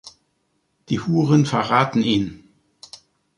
Die Huren verraten ihn.